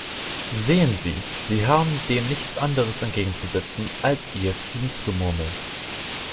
Sehen Sie, Sie haben dem nichts anderes entgegenzusetzen als Ihr Friedensgemurmel.